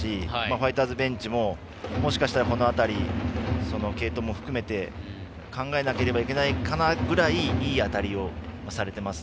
ファイターズベンチももしかしたらこの辺り継投も含めて考えなければいけないかなというぐらいいい当たりをされています。